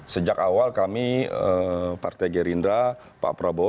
sejak awal kami partai gerindra pak prabowo